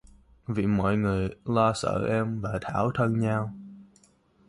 vì mọi người lo sợ em và thảo thân nhau